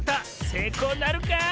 せいこうなるか？